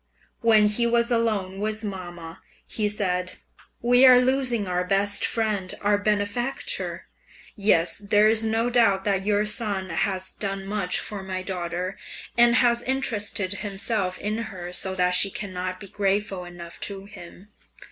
When he was alone with mamma, he said, "We are losing our best friend, our benefactor. Yes, there is no doubt that your son has done much for my daughter, and has interested himself in her so that she cannot be grateful enough to him."